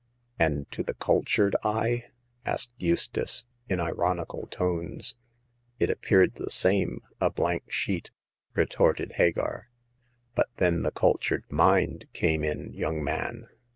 And to the cultured eye?*' asked Eustace, in ironical tones. " It appeared the same— a blank sheet," re torted Hagar. " But then the cultured mind came in, young man.